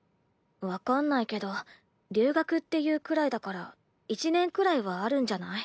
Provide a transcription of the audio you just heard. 分かんないけど留学っていうくらいだから１年くらいはあるんじゃない？